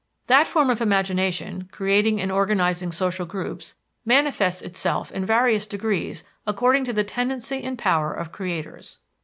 That form of imagination, creating and organizing social groups, manifests itself in various degrees according to the tendency and power of creators.